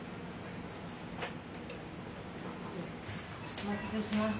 お待たせしました。